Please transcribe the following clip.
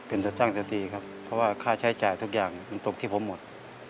เป็นแต่ตั้งแต่สี่ครับเพราะว่าค่าใช้จ่ายทุกอย่างมันตกที่ผมหมด